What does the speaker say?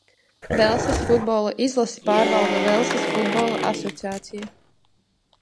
Velsas futbola izlasi pārvalda Velsas Futbola asociācija.